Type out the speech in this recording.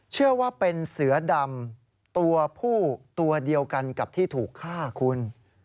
เชื่อว่าเป็นเสือดำตัวผู้ตัวเดียวกันกับที่ถูกฆ่าคุณ